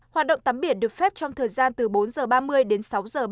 hoạt động tắm biển được phép trong thời gian từ bốn h ba mươi đến sáu h ba mươi